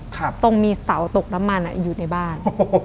ตรงมีเสาตกน้ำมันอยู่ในบ้าน